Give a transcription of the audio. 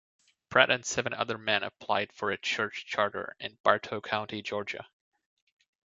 Pratt and seven other men applied for a church charter in Bartow County, Georgia.